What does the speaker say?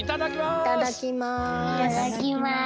いただきます！